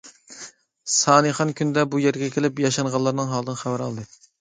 سانىخان كۈندە بۇ يەرگە كېلىپ ياشانغانلارنىڭ ھالىدىن خەۋەر ئالدى.